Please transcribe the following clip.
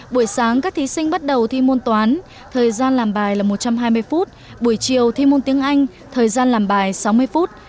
buổi sáng các thí sinh bắt đầu thi môn toán thời gian làm bài là một trăm hai mươi phút buổi chiều thi môn tiếng anh thời gian làm bài sáu mươi phút